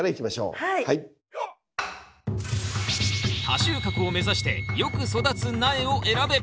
多収穫を目指してよく育つ苗を選べ！